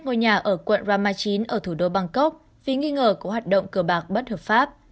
ngôi nhà ở quận ramachi ở thủ đô bangkok vì nghi ngờ của hoạt động cờ bạc bất hợp pháp